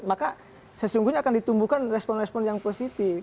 maka sesungguhnya akan ditumbuhkan respon respon yang positif